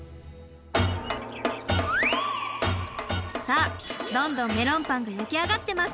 さあどんどんメロンパンが焼き上がってます。